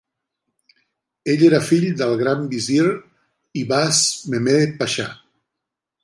Ell era fill del Grand Vizier Ivaz Mehmed Pasha.